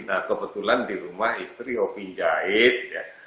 nah kebetulan di rumah istri ovin jahit ya